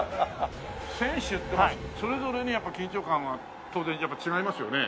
選手それぞれにやっぱ緊張感が当然違いますよね。